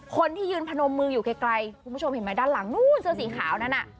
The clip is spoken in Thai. คนที่ยืนพนมมืออยู่ไกลคุณผู้ชมเห็นไหมด้านหลังนู้นเสื้อสีขาวนั่นน่ะ